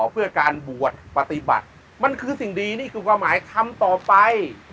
เพื่อการบวชปฏิบัติมันคือสิ่งดีนี่คือความหมายทำต่อไป